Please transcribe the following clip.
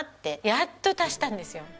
やっと達したんですよ。